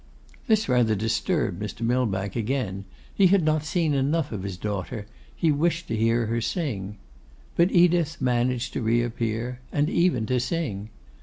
This rather disturbed Mr. Millbank again; he had not seen enough of his daughter; he wished to hear her sing. But Edith managed to reappear; and even to sing.